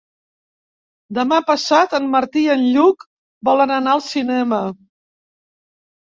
Demà passat en Martí i en Lluc volen anar al cinema.